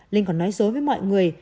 linh còn nói dối với mọi người